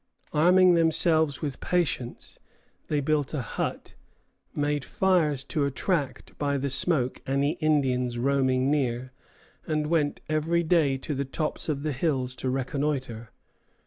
Arming themselves with patience, they built a hut, made fires to attract by the smoke any Indians roaming near, and went every day to the tops of the hills to reconnoitre.